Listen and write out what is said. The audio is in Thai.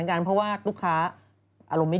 คุณแม่เสื้อสีชมพู